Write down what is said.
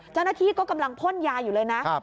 เจ้าหน้าที่ก็กำลังพ่นยาอยู่เลยนะ